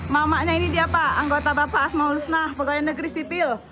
mamaknya ini dia pak anggota bapak asmaulusnah pegawai negeri sipil